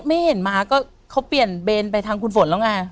ไม่เห็นม้าก็เขาเปลี่ยนเบนไปทางคุณฝนแล้วไง